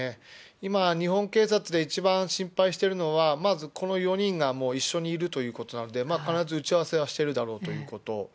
今、日本警察で一番心配しているのは、まずこの４人が一緒にいるということなので、必ず打ち合わせはしているだろうということ。